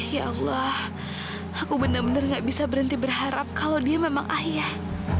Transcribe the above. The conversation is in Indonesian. ya allah aku benar benar gak bisa berhenti berharap kalau dia memang ayah